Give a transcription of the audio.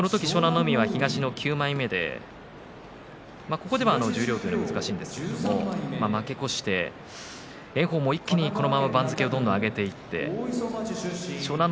海は東の９枚目でここでは十両は難しいんですけれども稽古をして炎鵬もその後は番付をどんどん上げていって湘南乃